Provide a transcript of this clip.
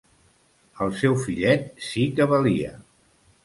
El seu fillet sí que valia!